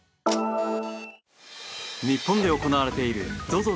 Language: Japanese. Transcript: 日本で行われているＺＯＺＯ